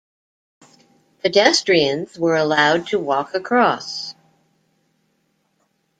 Pedestrians were allowed to walk across.